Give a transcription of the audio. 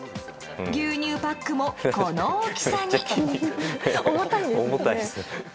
牛乳パックもこの大きさに。